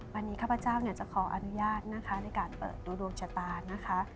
วันนี้ข้าพเจ้าจะขออนุญาตนะคะในการเปิดตัวดวงชะตานะคะ